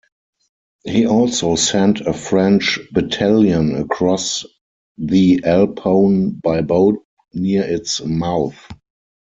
He also sent a French battalion across the Alpone by boat near its mouth.